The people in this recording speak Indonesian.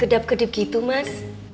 gedap gedip gitu mas